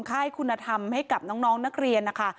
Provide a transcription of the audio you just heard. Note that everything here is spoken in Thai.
ค่ายคุณธรรมให้กับน้องนักเรียนนะคะ